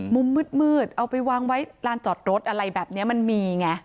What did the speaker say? มุมมืดเอาไปวางไว้ลานจอดรถอะไรแบบนี้มันมีไง